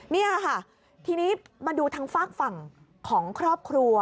นี่ค่ะทีนี้มาดูทางฝากฝั่งของครอบครัว